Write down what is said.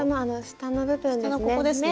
下のここですね？